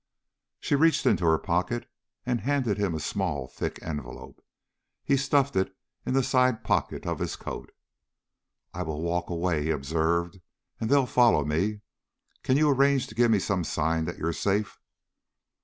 She reached in her pocket and handed him a small thick envelope. He stuffed it in the side pocket of his coat. "I will walk away," he observed, "and they'll follow me. Can you arrange to give me some sign that you're safe?"